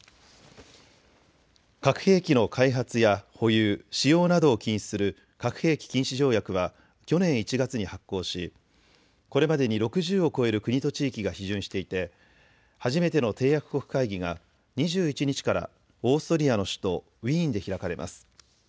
核兵器の開発や保有、使用などを禁止する核兵器禁止条約は去年１月に発効しこれまでに６０を超える国と地域が批准していて、初めての締約国会議が２１日からオーストリアの首都ウィーンで開かれます。